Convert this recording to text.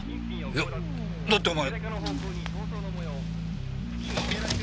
いやだってお前！